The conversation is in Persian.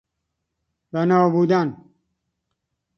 بنا بودن